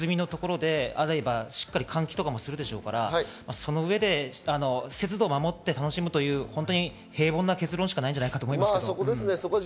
認証済みのところで例えば換気とかもするでしょうから、節度を守って楽しむという平凡な結論しかないんじゃないかと思います。